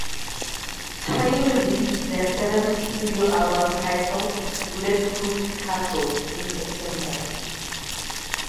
Train released their seventh studio album titled "Bulletproof Picasso" in September.